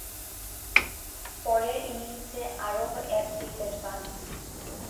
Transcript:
পরের ইনিংসে আরও এক উইকেট পান।